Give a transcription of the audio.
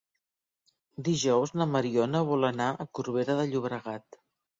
Dijous na Mariona vol anar a Corbera de Llobregat.